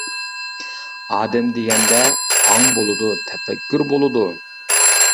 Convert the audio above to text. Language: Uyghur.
ئادەم دېگەندە ئاڭ بولىدۇ، تەپەككۇر بولىدۇ.